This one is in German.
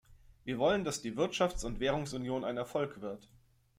Wir wollen, dass die Wirtschafts- und Währungsunion ein Erfolg wird.